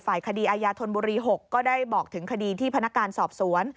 คดีอายาธนบุรี๖ก็ได้บอกถึงคดีที่พนักการสอบสวน